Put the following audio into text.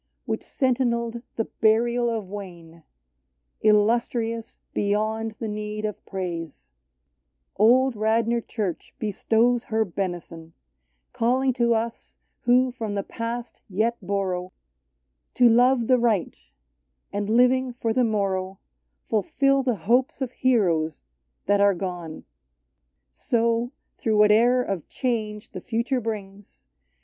DAVIDS Which sentineled the burial of Wayne, — Illustrious beyond the need of praise, — Old Radnor Church bestows her benison, Calling to* us who from the past yet borrow, To love the right, and living for the morrow, Fulfill the hopes of heroes that are gone. So, through whate'er of change the future brings.